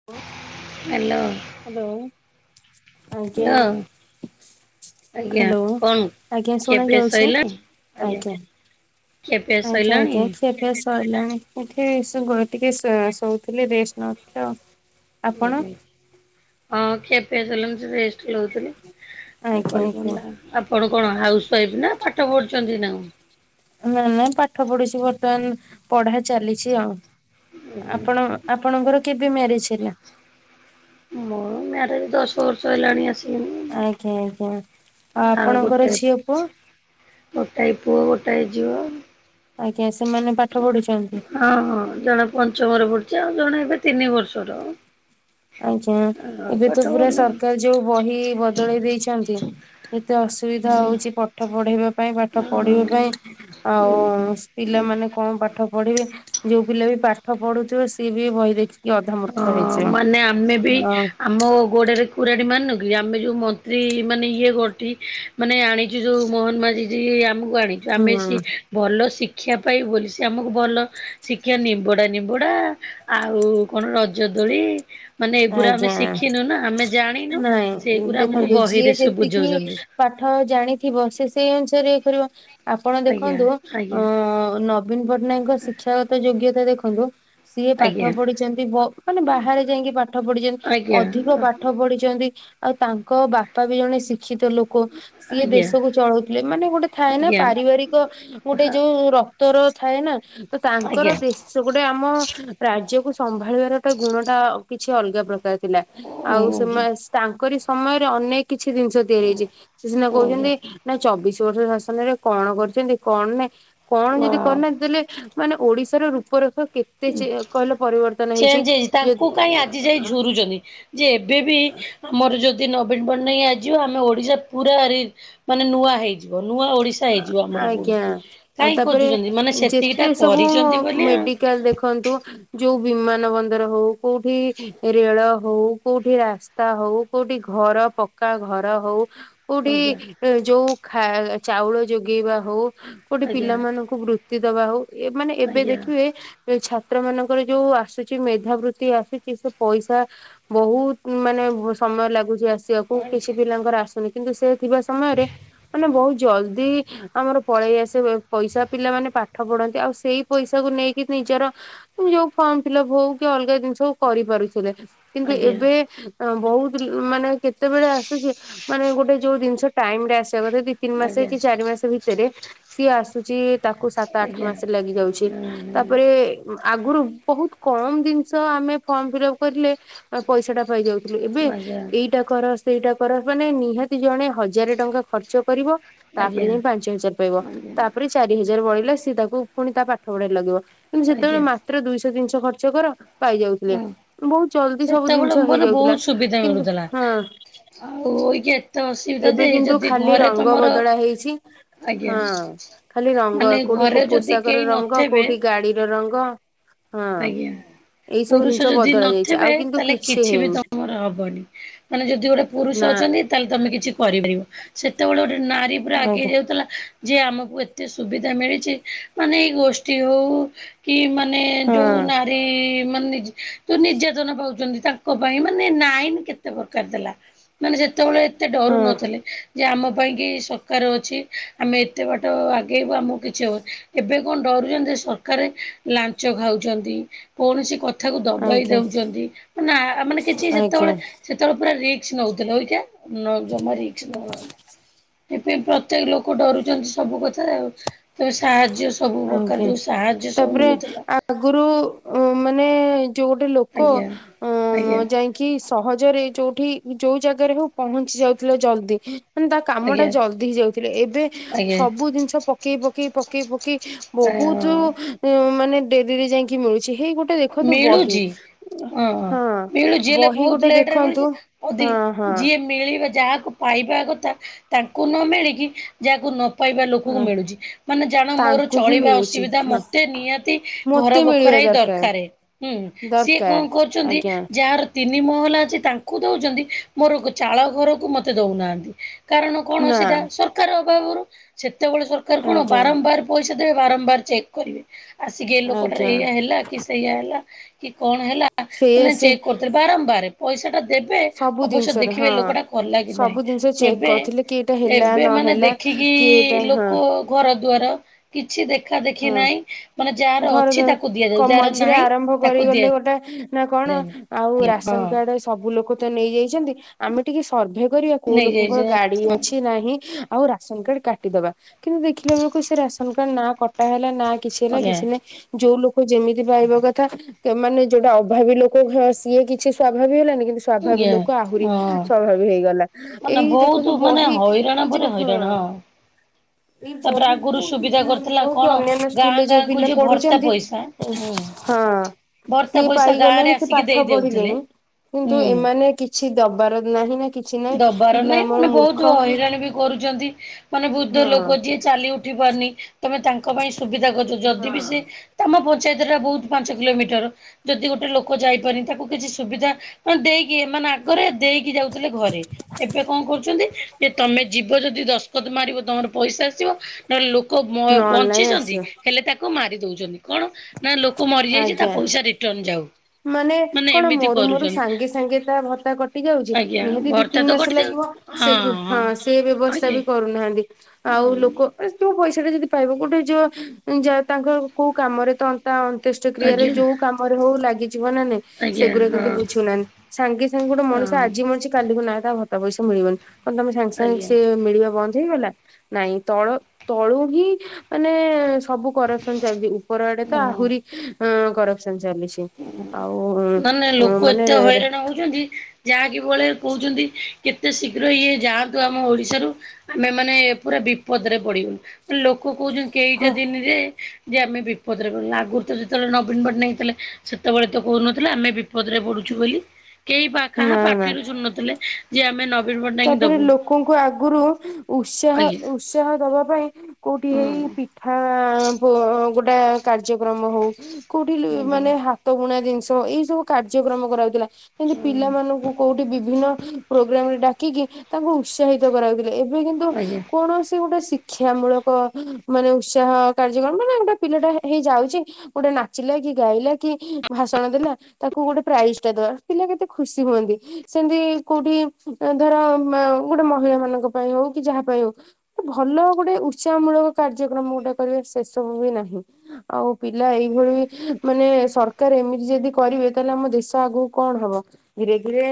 [unintelligible] Hello. Hello ଆଜ୍ଞା। Hello ଆଜ୍ଞା hello କଣ ଆଜ୍ଞା ଖିଆପିଆ ଶୁଣାଯାଉଛି ସଇଲାଣି ଆଜ୍ଞା। ଖିଆପିଆ ଆଜ୍ଞା ସଇଲାଣି ଆଜ୍ଞା ଖିଆ ପିଆ ସ୍ ସଇଲାଣି ଏଠି ଶୁଗୁନି ଟିକେ ଶୋ ଶୋଉଥିଲି ରେଷ୍ଟ ନଉଥିଲି ଆଉ। ଆପଣ [inaudible] ହଁ ଖିଆ ପିଆ ସରିଲାଣି ଟିକେ ରେଷ୍ଟ ଲଉଥିଲି। ଆଉ ଆଜ୍ଞା ଆଜ୍ଞା [unintelligible] ଆପଣ କଣ ହାଉସ୍ ୱାଇଫ୍ ନା ପାଠ ପଢୁଛନ୍ତି ନା କଁ। ନା ନା ପାଠ ପଢୁଛି ବର୍ତ୍ତମାନ ପଢା ଚାଲିଛି ଆଉ ଆପଣ ଆପଣଙ୍କର କେବେ ମ୍ୟାରେଜ୍ ହେଲା? ମୋ ମ୍ୟାରେଜ୍ ଦଶ ବର୍ଷ ହେଲାଣି ଆସିକିଣିି। ଆଜ୍ଞା ଆଜ୍ଞା ଆଉ ଆପଣଙ୍କର ଗୋଟେ ଝିଅ ପୁଅ। ଗୋଟାଏ ପୁଅ ଗୋଟାଏ ଝିଅ ଆଉ। ଆଜ୍ଞା ସେମାନେ ପାଠ ପଢୁଛନ୍ତି। ହଁ ହଁ ଜଣେ ପଞ୍ଚମରେ ପଢୁଛି ଆଉ ଜଣେ ଏବେ ତିନି ବର୍ଷର। ଆଜ୍ଞା ଏବେ ପାଠ ତ ପୁରା ପଢ଼ୁନି ସରକାର ଯୋଉ ବହି ବଦଳେଇ ଦେଇଛନ୍ତି। ଏତେ ଅସୁବିଧା ହଉଛି ପାଠ ପଢେଇବା ପାଇଁ ପାଠ ପଢିବା ପାଇଁ। ଆଉ ହଁ ସ୍ ପିଲାମାନେ କଁ ପାଠ ପଢିବେ। ଯୋଉ ପିଲା ବି ପାଠ ପଢୁଥୁବ ସିଏ ବି ଏ ବହି ଦେଖି ହଁ ମାନେ ଆମେ ବି ହଁ। ଆମ ଗୋଡେରେ କୁରାଢି ମାରିନୁ କି ଆମେ ଯୋଉ ମନ୍ତ୍ରୀ ମାନେ ଇଏ ଗଠି ମାନେ ଆଣିଛୁ ଯୋଉ ମୋହନ ମାଝି ଝି ଆମୁକୁ ଆଣିଛୁ ଆମେ ହୁଁ ସିଏ ଭଲ ଶିକ୍ଷା ପାଇବୁ ବୋଲି ସିଏ ଆମକୁ ଭଲ ଶିକ୍ଷା ନିମ୍ବୋଡା ନିମ୍ବୋଡା ଆଉ କଣ ରଜ ଦୋଳି ମାନେ ଏଗୁରା ଆମେ ଆଜ୍ଞା। ଶିଖିନୁ ନା ଆମେ ଜାଣିନୁ ନାଇଁ ସେଇଗୁରା ଆମୁକୁ ଦେଖନ୍ତୁ ଯିଏ ବହିରେ ସବୁ ଯେତିକି ବୁଝଉଛନ୍ତି। ପାଠ ଜାଣିଥିବ ସିଏ ସେଇ ଅନୁସାରେ ଇଏ କରିବ ଆପଣ ଆଜ୍ଞା ଦେଖନ୍ତୁ ଅଁ ଆଜ୍ଞା ନ ବୀନ ପଟ୍ଟନାୟକଙ୍କ ଶିକ୍ଷାଗତ ଯୋଗ୍ୟତା ଦେଖନ୍ତୁ। ସିଏ ପାଠ ଆଜ୍ଞା ପଢିଛନ୍ତି ବ ମାନେ ବାହାରେ ଯାଇଁକି ପାଠ ପଢିଛନ୍ ଆଜ୍ଞା ଅଧିକ ପା ଠ ପଢିଛନ୍ତି ଆଉ ତାଙ୍କ ବାପା ବି ଜଣେ ଶିକ୍ଷିତ ଲୋ କୋ ସିଏ ଆଜ୍ଞା ଦେଶକୁ ଚଳଉଥିଲେ ମାନେ ଗୋଟେ ଥାଏ ନା ଆଜ୍ଞା ପାରିବାରିକ ଗୋଟେ ହଁ ଯୋଉ ର କ୍ତର ଥାଏ ନା ତ ତାଙ୍କର ଆଜ୍ଞା ଦେଶ୍ ସେ ଗୋଟେ ଆମ ରାଜ୍ୟକୁୁ ସମ୍ଭାଳିବାର ଗୋଟେ ଗୁଣଟା ଅ କିଛି ଅଲଗା ପ୍ରକାର ଥିଲା। ଆଉ ଆଜ୍ଞା ସେମା ସ୍ ତାଙ୍କରି ସମୟରେ ଅନେକ କିଛି ଜିନିଷ ତିଆରି ହେଇଛି ସିଏ ସିନା ଆଜ୍ଞା। କହୁଛନ୍ତି ନା ଚବିଶି ବର୍ଷ ଶାସନରେ କଣ କରିଛନ୍ତି କଣ ନାଇଁ କଣ ଯଦି କରିନାହାନ୍ତି ତାହେଲେ ମାନେ ଓଡିଶାର ରୂପରେଖ କେତେ ଚେ ଚେଞ୍ଜ ଅ କହିଲ ପରିବର୍ତ୍ତନ ହେଇଛି ଯେଦ୍ ତାଙ୍କୁ କାହିଁ ଉଁ ଆଜି ଯାଏଁ ଝୁରୁଚନ୍ତି। ଯେ ଏବେ ବି ମୋର ଯଦି ନବୀନ ପଟ୍ଟନାୟକ ଆଜିଯିବ ଆମ ଓଡିଶା ପୁରା ରେ ମାନେ ନୂଆ ହେଇଯିବ। ନୂଆ ଓଡିଶା ଶା ହେଇଯିବ ଆଜ୍ଞା ଆଉ କାହିଁକି ତାପରେ ଖୋଜୁଚନ୍ତି ମାନେ ସେତିକିଟା କରିଚନ୍ତି ବୋଲି ଆଉ। କାଲ୍ ଦେଖନ୍ତୁ ଯୋଉ ବିମାନ ବନ୍ଦର ହୋଉ କୋଉଠି ରେଳ ହୋଉ କୋଉଠି ରାସ୍ତା ହୋଉ କୋଉଠି ଘର ପକ୍କା ଘର ହୋଉ କୋଉଠି ଆଜ୍ଞା ଯୋଉ ଖା ଚାଉଳ ଯୋଗେଇବା ହୋଉ କୋଉଠି ଆଜ୍ଞା ପିଲାମାନାନଙ୍କୁ ବୃତ୍ତି ଦବା ହୋଉ। ଏ ମାନେ ଏବେ ଆଜ୍ଞା ଦେଖିବେ। ଛାତ୍ର ମାନଙ୍କର ଯୋଉ ଆସୁଚି। ମେଧାବୃତ୍ତି ଆସୁଚି ସେ ପଇଷା ବୋହୁତ ମାନେ ସମୟ ଲାଗୁଚି ଆସି ବାକୁ କିଛି ପିଲାଙ୍କର ଆସୁନି କିନ୍ତୁ ସେ ଥିବା ସମୟରେ ମାନେ ବୋହୁତ ଜଲଦି ଆମର ପଳେଇ ଆସେ ବ ପଇସା ପିଲାମାନେ ପାଠ ପଢନ୍ତି ଆଉ ସେଇ ପଇଷାକୁ ନେଇକି ନିଜର ଯୋଉ ଫର୍ମ ଫିଲପ ହୋଉ କି ଅଲଗା ଜିନିଷ ହୋଉ କରିପାରୁଥିଲେ କିନ୍ତୁ ଆଜ୍ଞା ଏବେ ବୋହୁତ ମାନେ କେତେବେଳେ ଆସୁଚି ମାନେ ଗୋଟେ ଯୋଉ ଜିନିଷ ଟାଇମରେ ଆସିବା କଥା ଯଦି ତିନି ମାସ ଆଜ୍ଞା କି ଚାରି ମାସ ଭିତରେ ସିଏ ଆସୁଚି ତାକୁ ସାତ ଆଜ୍ଞା ଆଠ ଆଜ୍ଞା ମାସ ଲାଗି ଯାଉଚି ତାପରେ ଆଗରୁ ବୋହୁତ କମ୍ ଜିନିଷ ଆମେ ଫର୍ମଫିଲପ କରିଲେ ପଇଷାଟା ପାଇଯାଉ। ଏବେ ଆଜ୍ଞା ଏଇଟା କର ସେଇଟା କର ମାନେ ନିହାତି ଜଣେ ହଜାରେ ଟଙ୍କା ଖର୍ଚ୍ଚ କରିବ। ଆଜ୍ଞା ତାପରେ ଯାଇ ପାଞ୍ଚ ହଜାର ପାଇବ ତାପରେ ଚାରି ହଜାର ବଳିଲା। ସିଏ ତାକୁ ଫୁଣି ତା ପାଠ ପଢାରେ ଲଗେଇବ କିନ୍ତୁ ସେତେବେଳେ ଆଜ୍ଞା ମାତ୍ର ଦୁଇଶହ ତିନିଶହ ଖର୍ଚ୍ଚ କର। ପାଇଯାଉଥିଲେ। ହୁଁ ବହୁତ ଜଲଦି ସବୁ ଜିନିଷ ସେତେବେଳେ ବାନେ ହେଇଯାଉଥିଲା। ବୋହୁତ ସୁବିଧା କିନ୍ତୁ ମିଳୁଥିଲା। ହଁ ଆଉ ଏଠି ଏତେ ଅସୁବିଧା ଏବେ ଯେ କିନ୍ତୁ ଯଦି ଖାଲି ଘରେ ରଙ୍ଗ ତମର ବଦଳା ହେଇଛି ଆଜ୍ଞା ହଁ। ଖାଲି ରଙ୍ଗ ମାନେ କୋଉଠି ଘରେ ଯଦି ପୋଷାକର କେହି ରଙ୍ଗ ନଥେବେ। କୋଉଠି ଗାଡିର ରଙ୍ଗ ହଁ। ଆଜ୍ଞା ଏଇ ସବୁ ପୁରୁଷ ଜିନିଷ ଯଦି ବଦଳା ଯାଇଛି ନଥିବେ ଆଉ କିନ୍ତୁ ତାହେଲେ କିଛି ବି ହେଇନି ତମ ର ହବନି ମାନେ ଯଦି ଗୋଟେ ପୁରୁଷ ନା। ଅଛନ୍ତି। ତାହେଲେ ତମେ କିଛି କରିପାରିବ। ସେତେବେଳେ ଗୋଟେ ନାରୀ ପୁରା ଆଗେଇ ଆଜ୍ଞା ଯାଉଥିଲା। ଯେ ଆମକୁ ଏତେ ସୁବିଧା ମିଳିଚି ମାନେ ଏଇ ଗୋଷ୍ଠୀ ହେଉ କି ମାନେ ଯୋଉ ହଁ ନାରୀ ମାନେ ଯୋଉ ନିର୍ଯାତନା ପାଉଚନ୍ତି ତାଙ୍କ ପାଇଁ ମାନେ ନାଇନ କେତେ ପ୍ରକାର ଦେଲା ମାନେ ଯେତେବେଳେ ଏତେ ଡରୁ ହଁ ନଥିଲେ। ଯେ ଆମ ପାଇଁ କି ସରକାର ଅଛି। ଆମେ ଏତେ ବାଟ ଆଗେଇବୁ ଆମକୁ କିଛି ହବ। ଏବେ କଣ ଡରୁଚନ୍ତି ସରକାର ଲାଞ୍ଚ ଖାଉ ଚନ୍ତି। କୌଣସି କଥାକୁ ଦବେଇ ଆଜ୍ଞା ଦୋଉଚନ୍ତି ମାନେ ଆ ମାନେ କିଛି ଆଜ୍ଞା ସେତେବେଳେ ସେତେବେଳେ ପୁରା ରିକ୍ସ ନୋଉଥିଲେ ଓଇଖିଣା ନୋ ଜମା ରିକ୍ସ ନୋଉନାହାନ୍ତି। ସେଥିପାଇଁ ପ୍ରତ୍ୟେକ ଲୋକ ଡରୁଚନ୍ତି ସବୁ କଥାରେ ଆଉ [unintelligible] ସାହାଯ୍ୟ ସବୁ ଆଜ୍ଞା। ପ୍ରକାର ଯୋଉ ସାହାଯ୍ୟ ସବୁ ତାପରେ ମିଳୁଥିଲା। ଆଗରୁ ମାନେ ଯୋଉ ଗୋଟେ ଲୋକ ଆଜ୍ଞା ଆଜ୍ଞା ଉଁ ଯାଇଁ କି ସହଜରେ ଯୋଉଠି ଯୋଉ ଜାଗାରେ ହୋଉ ପହଞ୍ଚି ଯାଉଥିଲା ଜଲଦି। ମାନେ ତା କାମଟା ଆଜ୍ଞା ଜଲଦି ହେଇ ଯାଉଥିଲେ ଏବେ ଆଜ୍ଞା ସବୁ ଜିନିଷ ପକେଇ ପକେଇ ପକେଇ ପ କେଇ ବୋହୁତ ଆଜ୍ଞା ମାନେ ଡେରିରେ ଯାଇକି ମିଳୁଚି ହେଇ ଗୋଟେ ଦେଖନ୍ତୁ ବହି ମିଳୁଛି ହଁ ବହି ଗୋଟେ ଦେଖନ୍ତୁ। ଅଦି ହଁ ହଁ [unintelligible] ଯିଏ ମିଳିବେ ଜାହାକୁ ପାଇବା କଥା ତାଙ୍କୁ ନ ମିଳିକି ଯାହାକୁ ନ ପାଇବା ଲୋକକୁ ମିଳୁଚି। ମାନେ ଜାଣ ମୋର ତାଙ୍କୁ ହିଁ ଚଳିବା ମିଳୁଛି ଅସୁବିଧା ହଁ ମତେ ନିହାତି ଘର ମତେ ମିଳିବା ବଖରାଏ ଦ ଦରକାର ରକାରେ ହୁଁ ସିଏ କଣ ଦରକାର କରୁଚନ୍ତି। ଆଜ୍ଞା ଯାହାର ତିନି ମହଲା ଅଛି ତାଙ୍କୁ ଦୋଉଚନ୍ତି। ମୋର ଚାଳ ଘରକୁ ମତେ ଦୋଉନାହାନ୍ତି। କାରଣ କଣ ନା ସେଟା ସରକାର ଅଭାବରୁ ସେତେବେଳେ ସରକାର କଣ ଆଜ୍ଞା ବାରମ୍ବାର ପଇସା ଦେବେ ବାରମ୍ବାର ଚେକ୍ କରିବେ ଆସିକି ଏ ଲୋକଟାରେ ଆଜ୍ଞା ଏଇଆ ହେଲା କି ସେଇଆା ହେଲା କି କଣ ହେଲା ସେଇଆ ମାନେ ସେ ଚେକ୍ କରୁଥିଲେ ବାରମ୍ବାର। ପଇସା ଟା ଦେବେ ସବୁ ଅବଶ୍ୟ ଜିନିଷରେ ଦେଖିବେ ହଁ। ଲୋକଟା କଲା କି ନାହିଁ ସବୁ ଜିନିଷ ଚେକ୍ ଏବେ କରୁଥିଲେ କି ଏଇଟା ହେଲା ଏବେ ମାନେ ନହେଲା ଦେଖ ଠିକି କି ଏଇଟା ହଁ ଲୋକ ଘର ଦ୍ୱାର କିଛି ଦେଖା ଦେଖି ହଁ। ନାହିଁ ମାନେ ଯାହାର ଘର ଅଛି ଦ୍ୱାର ତାକୁ ଦିଆଯାଉ କ ଯାହାର ମଝିରେ ନାହିଁ ଆରମ୍ଭ ତାକୁ କରି ଗଲେ ଦିଆଯାଉନି ଗୋଟେ ନା କଣ ଆଉ ଆଜ୍ଞା ରାସନ୍ ହଁ କାର୍ଡ ସବୁ ଲୋକ ତ ନେଇ ଯାଇଛନ୍ତି ଆମେ ଟିକେ ସର୍ଭେ କରିବା କୋଉ ଲୋକଙ୍କର ନେଇଯାଇଛି ଗାଡି ଅଛି ନାହିଁ ଆଉ ରାସନ କାର୍ଡ କାଟିଦବା କିନ୍ତୁ ଦେଖିଲା ବେଳକୁ ସେ ରାସନ କାର୍ଡ ନା କଟା ହେଲା ନା କିଛି ହେଲା ଆଜ୍ଞା କିଛି ନାହିଁ ଯୋଉ ଲୋକ ଯେମିତି ପାଇବା କଥା କେ ମାନେ ଯୋଉଟା ଅଭାବୀ ଲୋକ ଘ ସିଏ କିଛି ସ୍ଵାଭାବୀ ହେଲାନି କିନ୍ତୁ ସ୍ଵଭାବି ଆଜ୍ଞା ଲୋକ ଆହୁରି ହଁ ସ୍ୱାଭାବି ହେଇଗଲା ମାନେ ଏଇ ବହୁତ ଦେଖନ୍ତୁ ମାନେ ବହି ହଇରାଣ ପରେ ଯୋଉ ହଁ। ହଇରାଣ ଏଇ ତାପରେ ବହିତ ଆଗରୁ ଯୋଉ ସୁବିଧା ଶିଶୁମନ୍ଦିର କରିଥିଲା ହୋଉ କି କଣ ଅନ୍ୟାନ୍ୟ ଗାଁ ସ୍କୁଲରେ ଯୋଉ ଗାଁ କୁ ପିଲା ଯିଏ ଭର୍ତ୍ତା ପଢୁଛନ୍ତି ପଇସା ହଁ। ହୁଁ ଭର୍ତ୍ତା ସିଏ ପଇସା ଗାଁ ରେ ପାଇଗଲେଣି ସେ ଆସିକି ଦେଇ ପାଠ ଦେଉଥିଲେ ପଢିଲେଣି କିନ୍ତୁ ହୁଁ। ଏମାନେ କିଛି ଦବାର ନାହିଁ ନା କିଛି ନାହିଁ ଦବାର ପିଲା ନାଇଁ ଆମର ମାନେ ବହୁତୁ ମୂର୍ଖ ହଁ। ହଇରାଣ ବି କରୁଛନ୍ତି ମାନେ ବୃଦ୍ଧ ଲୋକ ଯିଏ ଚାଲି ଉଠି ପାରୁନି ତମେ ତାଙ୍କ ପାଇଁ ସୁବିଧା କରିଚ ଯଦି ବି ସେ ହଁ ତମ ପଞ୍ଚାୟତଟା ବହୁତ ପାଞ୍ଚ କିଲୋମିଟର ଯଦି ଗୋଟେ ଲୋକ ଯାଇପାରି ତାକୁ କିଛି ସୁବିଧା ଅ ଦେଇକି ମାନେ ଆ ଗରେ ଦେଇକି ଯାଉଥିଲେ ଘରେ। ଏବେ କଂ କରୁଛନ୍ତି ଯେ ତମେ ଯିବ ଯଦି ଦସ୍କତ ମାରିବ ତମର ପଇସା ଆସିବ। ହେ ଲୋକ ନହେଲେ ନାଇଁ ବଞ୍ଚିଚନ୍ତି ଆସିବ ହେଲେ ତାକୁ ମାରି ଦୋଉଚନ୍ତି। କଣ ନା ଲୋକ ମରିଯାଇଚି ତା ଆଜ୍ଞା। ପଇସା ରିଟର୍ଣ ଯାଉ। ମାନେ କଣ ଏମିତି ମରୁ ମରୁ କରୁଛନ୍ତି ସାଙ୍ଗେ ସାଙ୍ଗେ ତା ଭତ୍ତା କଟି ଯାଉଚି ଆଜ୍ଞା ନିହାତି ଦି ଭର୍ତ୍ତା ତିନି ତ ମାସ କଟିଯାଉ ଲାଗିବ ହଁ ସେ କୁ ହଁ ସେ ବ୍ୟବସ୍ତା ଆଜ୍ଞା ବି କ ରୁନାହାନ୍ତି ଆଉ ଲୋକ ହୁଁ ଏ ଯୋଉ ପଇସା ଟା ଯଦି ପାଇବ ଗୋଟେ ଯୋ ଯା ତାଙ୍କର କୋଉ କାମରେ ତ ତା ଅନ୍ତେଷ୍ଟ କ୍ରିୟାରେ ଆଜ୍ଞା ଯୋଉ କାମରେ ହୋଉ ଲାଗିଯିବ ନା ନାଇଁ। ଆଜ୍ଞା ସେଗୁରା ହଁ କିନ୍ତୁ ବୁଝୁନାହାନ୍ତି ସାଙ୍ଗେ ସାଙ୍ଗେ ଗୋଟେ ମଣିଷ ହଁ। ଆଜି ମରିଚି କାଲିକୁ ନାଁ ତା ଭତ୍ତା ପଇସା ମିଳିବନି। କନ୍ ତମେ ସାଙ୍ଗେ ସାଙ୍ଗେ ଆଜ୍ଞା ସେ ମିଳିବା ବନ୍ଦ ହେଇଗଲା ନାଇଁ ତଳ ତଳୁ ହିଁ ମାନେ ସବୁ କରପସନ ଚାଲିଛି ଉପର ଆଡେ ତ ହଁ ଆହୁରି ଅଁ କରପସନ ଚାଲିଛି। ଆଉଉଁ ଉ ମାନେ ଚନ୍ତି ଯାହା କି ବଳେ କହୁଛନ୍ତି କେତେ ଶୀଘ୍ର ଇଏ ଯାଆନ୍ତୁ ଆମ ଓଡିଶାରୁ ଆମେ ମାନେ ପୁରା ବିପଦରେ ପଡିବୁନୁ ମାନେ ଲୋକ କହୁଚନ୍ତି କେଇଟା ହଁ ଦିନରେ ଯେ ଆମେ ବିପଦରେ ପଲୁ ଆଗରୁ ତ ଯେତେବେଳେ ନବୀନ ପଟ୍ଟନାୟକ ଥିଲେ ସେତେବେଳେ ତ କହୁନଥିଲେ ଆମେ ବି ବିପଦରେ ପଡୁଛୁ ବୋଲି କେହି ପା କାହା ନା ନା ପାାଟିରୁ ଶୁନ ନଥିଲେ ଯେ ଆମେ ନ ତାପରେ ଲୋକଙ୍କୁ ଆଗୁରୁ ଉତ୍ସାହ ଆଜ୍ଞା ଉତ୍ସାହ ଦବା ପାଇଁ କୋଉଠି ହେଇ ହୁଁ ପିଠା ଗୋ ଗୋଟା କାର୍ଯ୍ୟକ୍ରମ ହଉ କୋଉଠି ଲୁ ଆଜ୍ଞା ମାନେ ହାତ ବୁଣା ଜିନିଷ ଏଇ ସବୁ କାର୍ଯ୍ୟକ୍ରମ କରାଉଥିଲା କିମତି ହୁଁ ପିଲାମାନଙ୍କୁ କୋଉଠି ବିଭିନ୍ନ ପ୍ରୋଗ୍ରାମ ରେ ଡାକିକି ତାଙ୍କୁ ଉତ୍ସାହିତ କରାଉଥିଲେ ଏ ବେ କିନ୍ତୁ ଆଜ୍ଞା। କୌଣସି ଗୋଟେ ଶିକ୍ କ୍ଷା ମୂଳକ ମାନେ ଉତ୍ସାହ କାର୍ଯ୍ୟକ୍ରମ ମାନେ ଗୋଟେ ପିଲାଟା ହେ ହେଇ ଯାଉଚି ଗୋଟେ ନାଚିଲା କି ଗାଇଲା କି ଭାଷଣ ଦେଲା ତାକୁ ଗୋଟେ ପ୍ରାଇଜ ଟା ଦବା ପିଲା କେତେ ଖୁସି ହୁଅନ୍ତି ସେମିତି କୋଉଠି ତା ଧର ମା ଗୋଟେ ମହିଳା ମାନଙ୍କ ପାଇଁ ହଉ କି ଯାହା ପାଇଁ ହଉ ଭଲ ଗୋଟେ ଉତ୍ସାହ ମୂଳକ କାର୍ଯ୍ୟକ୍ରମ ଗୋଟେ କରିବା ସେସବୁ ବି ନାହିଁ। ଆଉ ପିଲା ଏଇଭଳି ମାନେ ସରକାର ଏମିତି ଯଦି କରିବେ ତାହେଲେ ଆମ ଦେଶ ଆଗକୁ କଣ ହବ? ଧୀରେ ଧୀରେ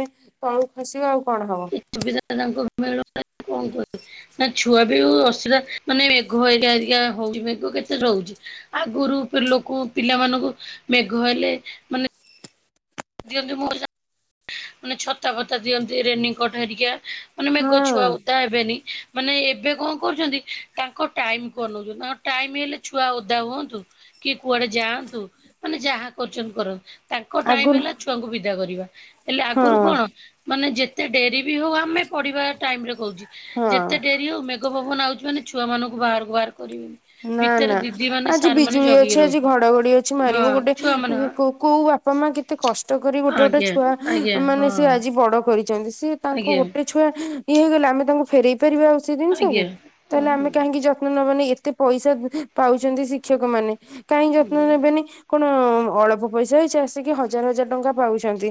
ତଳକୁ ଖସିବ ଆଉ କଣ ହବ। ଏ ସୁବିଧା ତାଙ୍କୁ ମିଳୁନ କଣ କରହିବ ନା ଛୁଆ ଏ ଯୋଉ ଅସିଳା ମାନେ ମେଘ ଏରିକା ଏରିକା ହଉଛି ମେଘ କେତେ ରହୁଛି? ଆଗରୁ ଲୋକ ପିଲାମାନଙ୍କୁ ମେଘ ହେଲେ ମାନେ ଦିଅନ୍ତି ମୋ ମାନେ ଛତାପତା ଦିଅନ୍ତି ରେନି କୋଟ ହେରିକା ମାନେ ହଁ ମେଘ ଛୁଆ ଓ ତାବେନି ମାନେ ଏବେ କଣ କରୁଛନ୍ତି ତାଙ୍କ ଟାଇମ କୁ ଅନଉଛନ୍ତି, ତାଙ୍କ ଟାଇମ ହେଲେ ଛୁଆ ଓଦା ହୁଅନ୍ତୁ କି କୁଆଡେ ଯାଆନ୍ତୁ ମାନେ ଯାହା କରୁଛନ୍ତି କରନ୍ତ। ତାଙ୍କ ଟାଇମ ଆଗରୁ ହେଲା ଛୁଆଙ୍କୁ ବିଦା କରିବା, ହେଲେ ହଁ ଆଗରୁ କଣ ମାନେ ଯେତେ ଡେରି ବି ହଉ ଆମେ ପଢିବା ଟାଇମରେ କହୁଚି, ହଁ। ଯେତେ ଡେ ଆଉ ମେଘ ଭବନ ଆଉଛି ମାନେ ଛୁଆ ମାନଙ୍କୁ ବାହାରକୁ ବାହାର କରିବେନି। ନା ଭିତରେ ନା ଦିଦି ମାନେ ଆଜି ସାର୍ ମାନେ ବିଜୁଳି ଜଗିକି ଅଛି ଆଜି ରହୁଥିଲେ ଘଡଘଡି ଅଛି ହଁ ମାରିବୁ ଗୋଟେ ଛୁଆ ମାନେ କୋଉ କୋଉ ବାପା ମା କେତେ କଷ୍ଟ କରି ଗୋଟେ ଗୋଟେ ଆଜ୍ଞା ଛୁଆ ଆଜ୍ଞା ମାନେ ହଁ ସେ ଆଜି ବଡ କରିଛନ୍ତି ସିଏ ତାଙ୍କୁ ଆଜ୍ଞା ଗୋଟେ ଛୁଆ ଇଏ ହେଇଗଲା ଆମେ ତାଙ୍କୁ ଫେରଇ ପାରିବା ଆଉ ସେଇ ଜିନିଷକୁ। ଆଜ୍ଞା ଅ ତାହେଲେ ଆମେ କାହିଁକି ଯତ୍ନ ନବାନି ଏତେ ପଇସା ପାଉଛନ୍ତି ଶିକ୍ଷକ ମାନେ। କାଇଁ ଯତ୍ନ ହଁ। ନେବେନି କଣ ଅଳ୍ପ ପଇସା ହେଇଛି ଆସିକି ହଜାର ହଜାର ଟଙ୍କା ପାଉଛନ୍ତି।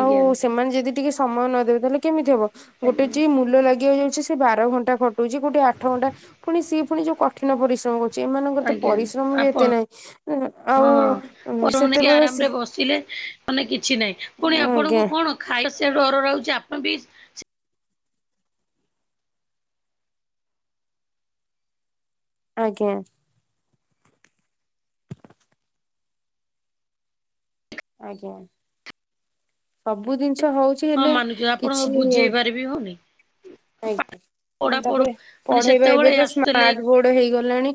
ଆଉ ସେମାନେ ଯଦି ଟିକେ ସମୟ ନଦବେ ତାହେଲେ କେମିତି ହବ ଗୋଟେ ଆଜ୍ଞା ଯେ ମୂଲ ଲାଗିିବାକୁ ଯାଉଛି ସେ ବାର ଘଣ୍ଟା ଖଟୁଛି ଗୋଟେ ଆଠ ଘଣ୍ଟା ପୁଣି ସିଏ ପୁଣି ଯୋଉ କଠିନ ପରିଶ୍ରମ କରୁ ସେମାନଙ୍କର ତ ଆଜ୍ଞା ପରିଶ୍ରମ ବି ଆପଣ ଏତେ ନାହିଁ, ହଁ ଆଉ ପରମ ନେଇକି ସେତେବେଳେ ସେ ଆରାମରେ ବସିଲେ ମାନେ କିଛି ନାହିଁ ପୁଣି ଆଜ୍ଞା ଆପଣଙ୍କୁ କଣ ଖାଇବା ସିଆଡୁ ଅଡର ଆଉଛି ଆପଣ ବି ଆଜ୍ଞା। ଆଜ୍ଞା ସବୁ ଜିନିଷ ହଉଛି ହଁ ହେଲେ ମାନୁଛୁ ଆପଣଙ୍କୁ କିଛି ଆଞା। ବୁଝେଇ ପାରିବି ହଉନି ପାଠ ଉଁ ପଢା ପଢୁ ତାପରେ ମାନେ ପଢେଇବା ଏବେ ସେତେବେଳେ ତ ଆସୁଥିଲେ ସ୍ମାର୍ଟ ବୋର୍ଡ ହେଇଗଲାଣି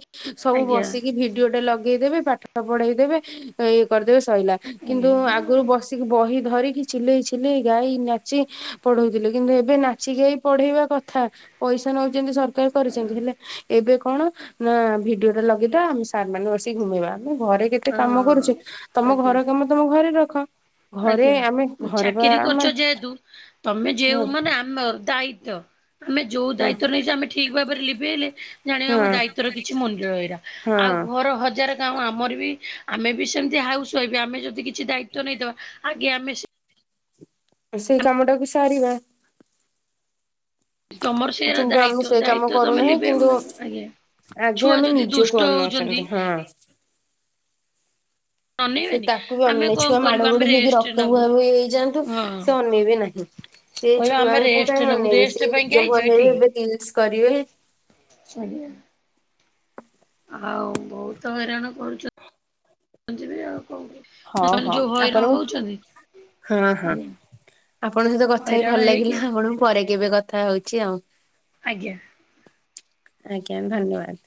ସବୁ ଆଜ୍ଞା ବସି ଭିଡିଓ ଟା ଲଗେଇଦେବେ ପାଠ ପଢେଇଦେବେ ଇଏ କରିଦେବେ ସଇଲା, କିନ୍ତୁ ଆଜ୍ଞା ହଁ ଆଗରୁ ବ ବସିକି ବହି ଧରିକି ଚିଲେଇ ଚିଲେଇ ଗାଇ ନାଚି ପଢଉଥିଲେ କିନ୍ତୁ ଏବେ ନାଚି ଗାଇ ପଢେଇବା କଥା ପଇସା ନଉଛନ୍ତି ସରକାର କରିଛନ୍ତି ହେଲେ ଏବେ କଣ ନା ଭିଡିଓ ଟା ଲଗେଇଦବା ଆମେ ସାର୍ ମାନେ ବସିକି ଘୁମେଇବା। ଆମେ ଘରେ କେତେ କାମ ହଁ କରୁଛି, ତମ ଆଜ୍ଞା ଘର କାମ ତମ ଘରେ ରଖ। ଘରେ ଆଜ୍ଞା ଆମେ ଘରେ ବା ଚାକିରି ଆମେ କରୁଛ ଯେହେତୁ ତମେ ଯେଉଁ ହଁ ମାନେ ଆମର ଦାୟିତ୍ଵ। ଆମେ ଯୋଉ ହଁ ଦାୟିତ୍ଵ ନେଇଛ ଆମେ ଠିକ ଭାବରେ ଲିଭେଇଲେ ଜାଣିବା ଆମ ହଁ ଦାୟିତ୍ୱର କିଛି ମୂଲ୍ୟ ରହିଲା। ଆଉ ହଁ ଘର ହଜାର ଗାଁ ଆମର ବି ଆମେ ବି ସେମତି ହାଉସ ୱାଇଫ ଆମେ ଯଦି କି କିଛି ଦାୟିତ୍ଵ ନେଇଥବା ଆଗେ ଆମେ ସେ ଆଉ ସେଇ କାମଟାକୁ ସାରିବା। ତମର ସେଆର କିନ୍ତୁ ଆମେ ଦାୟିତ୍ଵ ସେ କାମ ଦାୟିତ୍ଵ ତମେ କରୁନାହିଁ ଲିଭଇବ କିନ୍ତୁ ନା, ଆଜ୍ଞା। ଆଗେ ଛୁଆ ଆମେ ଯଦି ନିଜକୁ ଦୁଷ୍ଟ ହଉଛନ୍ତି ଅନଉଛନ୍ତି ହଁ। ସେ ଅନେଇବେନି ତାକୁ ବି ଆମେ ଅନେଇ କଣ ଛୁଆ ମାଡ କରିବୁ ଗୋଡି ଆମେ ହେଇକି ରେଷ୍ଟ ରକ୍ତ ବୁହା ନବୁ ବୁହି ହେଇଯାଆନ୍ତୁ ହଁ। ସେ ଅନେଇବେ ନାହିଁ। ସେ କହିଲା ଆମେ ଛୁଆଙ୍କୁ କାହିଁ ରେଷ୍ଟ ନବୁ ଅନେଇବେ ସେ ରେଷ୍ଟ ପାଇଁକି ନିଜକୁ ଆଇଚ ଅନେଇବେ ଏବେ ରିଲ୍ସ କରିବେ। ଏଠିକି। ସରିଗଲା। ଆଉ ବହୁତ ହଇରାଣ କ ଆଜି ବି ଆଉ କଣ କରି ହଉ ହଁ ଆପଣଙ୍କୁ ହଁ ହଁ ଆଜ୍ଞା ଆପଣଙ୍କ ସହିତ କଥା ହେଇ ଭଲ ହଇରାଣ ହେଇକି ଲାଗିଲା ଆପଣଙ୍କୁ ପରେ କେବେ କଥା ହଉଛି ଆଉ ଆଜ୍ଞା। ଆଜ୍ଞା ଧନ୍ୟବାଦ।